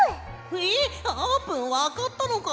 えっあーぷんわかったのか？